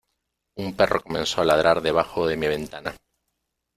un perro comenzó a ladrar debajo de mi ventana,